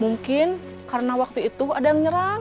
mungkin karena waktu itu ada yang menyerang